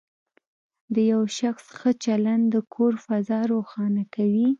د یو شخص ښه چلند د کور فضا روښانه کوي.